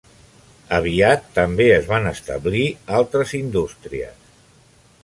Aviat també es van establir altres indústries.